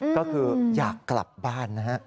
ก็คืออยากกลับบ้านนะฮะ